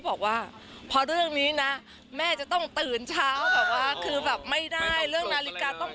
บอกว่าพอเรื่องนี้นะแม่จะต้องตื่นเช้าแบบว่าคือแบบไม่ได้เรื่องนาฬิกาต้อง